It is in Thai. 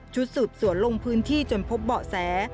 สืบสวนลงพื้นที่จนพบเบาะแส